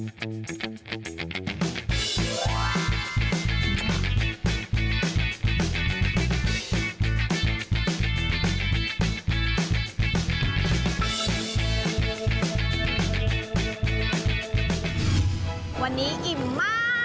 วันนี้อิ่มมากแม่อิ่มไหม